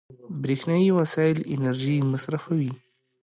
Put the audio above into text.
برېښنایي وسایل انرژي مصرفوي.